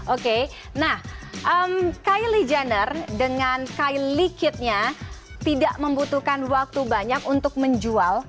oke nah kylie jenner dengan kylie kitnya tidak membutuhkan waktu banyak untuk menjual